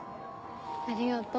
ありがとう。